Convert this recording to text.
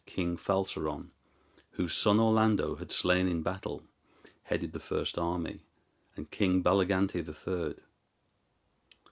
King Falseron, whose son Orlando had slain in battle, headed the first army, and King Balugante the third.